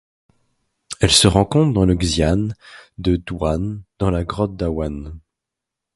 Elle se rencontre dans le xian de Du'an dans la grotte Dawan.